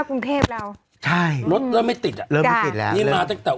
กรุงเทพเราใช่รถเริ่มไม่ติดอ่ะเริ่มไม่ติดแล้วนี่มาตั้งแต่